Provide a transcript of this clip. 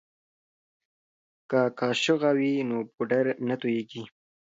که قاشغه وي نو پوډر نه توییږي.